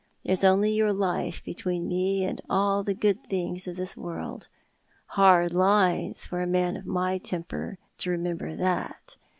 There is only your life between me and all the good things of this world. Hard lines for a man of my temper to remember that.